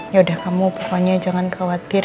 yaudah kamu pokoknya jangan khawatir